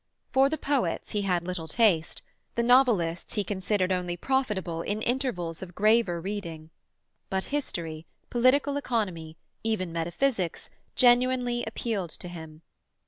For the poets he had little taste; the novelists he considered only profitable in intervals of graver reading; but history, political economy, even metaphysics, genuinely appealed to him.